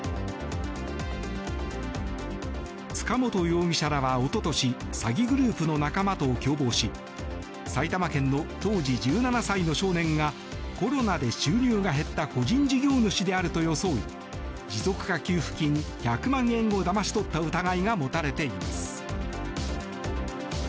塚本容疑者らはおととし詐欺グループの仲間と共謀し埼玉県の当時１７歳の少年がコロナで収入が減った個人事業主であると装い持続化給付金１００万円をだまし取った疑いが持たれています。